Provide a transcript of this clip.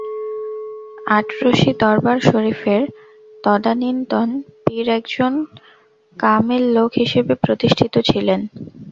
আটরশি দরবার শরিফের তদানীন্তন পীর একজন কামেল লোক হিসেবে প্রতিষ্ঠিত ছিলেন।